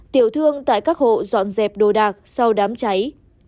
tiểu thương tại các hộ dọn dẹp đồ đạc sau đám cháy